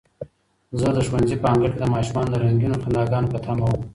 زه د ښوونځي په انګړ کې د ماشومانو د رنګینو خنداګانو په تمه وم.